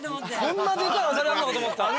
こんなでかいアサリあるのかと思った。